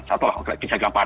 satu lah bisa gampang